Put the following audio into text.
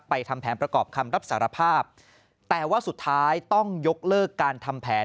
ทำแผนประกอบคำรับสารภาพแต่ว่าสุดท้ายต้องยกเลิกการทำแผน